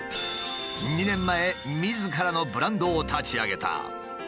２年前みずからのブランドを立ち上げた。